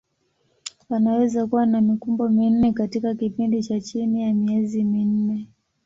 Wanaweza kuwa na mikumbo minne katika kipindi cha chini ya miezi minne.